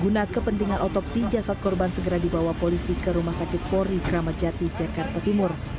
guna kepentingan otopsi jasad korban segera dibawa polisi ke rumah sakit pori kramat jati jakarta timur